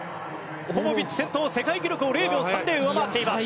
ポポビッチ先頭世界記録を０秒３０上回っています。